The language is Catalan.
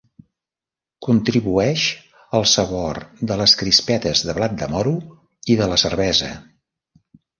Contribueix al sabor de les crispetes de blat de moro i de la cervesa.